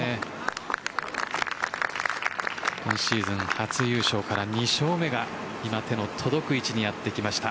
今シーズン初優勝から２勝目が今、手の届く位置にやってきました。